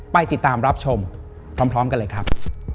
ไปติดตามรับชมพร้อมกันเลยครับ